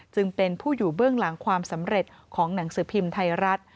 จึงเป็นผู้อยู่เบื้องหลังความสำเร็จของหนังสือพิมพ์ไทยรัฐ